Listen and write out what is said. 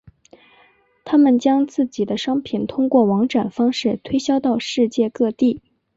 他们将自己的商品通过网展方式推销到世界各地。